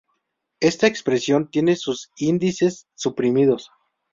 Esta expresión tiene sus índices suprimidos.